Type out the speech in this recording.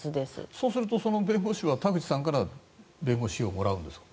そうすると、弁護士は田口さんから弁護士費用をもらうんですか？